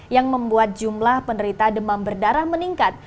yang membuat jumlah penderita demam berdarah meningkat